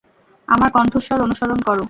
আমার কন্ঠস্বর অনুসরণ করো।